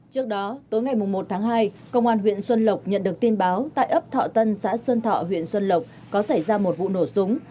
trước đó tối ngày một tháng hai công an huyện xuân lộc nhận được tin báo tại ấp thọ tân xã xuân thọ huyện xuân lộc có xảy ra một vụ nổ súng